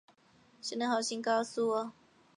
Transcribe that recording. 谁能好心告诉我